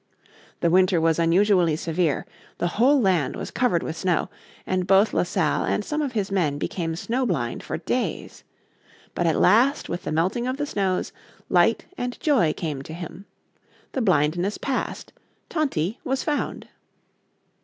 The winter was unusually severe, the whole land was covered with snow and both La Salle and some of his men became snow blind for days. But at last with the melting of the snows light and joy came to him. The blindness passed, Tonty was found.